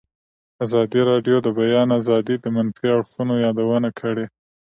ازادي راډیو د د بیان آزادي د منفي اړخونو یادونه کړې.